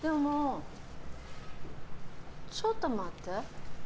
ちょっと待って。